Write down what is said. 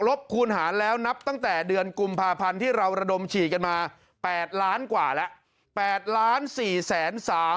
คูณหารแล้วนับตั้งแต่เดือนกุมภาพันธ์ที่เราระดมฉีดกันมา๘ล้านกว่าแล้ว